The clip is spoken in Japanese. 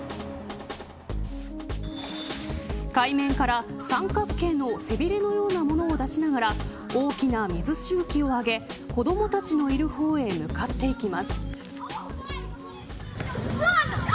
海面から三角形の背びれのようなものを出しながら大きな水しぶきを上げ子どもたちのいる方へ向かっていきます。